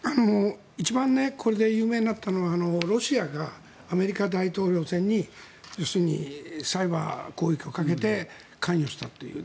一番これで有名になったのはロシアがアメリカ大統領選に要するにサイバー攻撃をかけて関与したという。